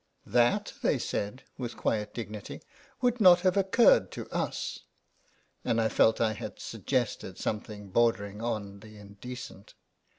" That," they said with quiet dignity, " would not have occurred to us," and I felt that I had suggested something bordering on the indecent.